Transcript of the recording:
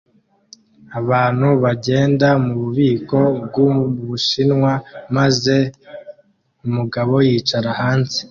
Abantu bagenda mububiko bwubushinwa maze umugabo yicara hanze